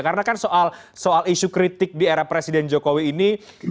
karena kan soal isu kritik di era presiden jokowi ini